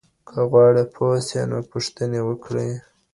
که غواړئ پوه سئ نو پوښتنې وکړئ.